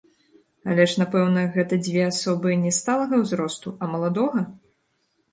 Але ж, напэўна, гэта дзве асобы не сталага ўзросту, а маладога?